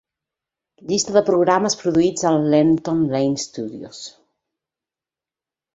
Llista de programes produïts al Lenton Lane Studios.